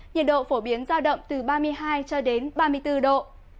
nhiệt độ phổ biến rao đậm từ ba mươi hai ba mươi bốn độ